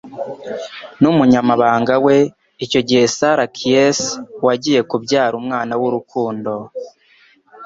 n’umunyamabanga we icyo gihe Sarah Keays wagiye kubyara umwana w'urukundo